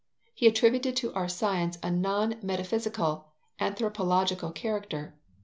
He attributed to our science a non metaphysical, anthropological character.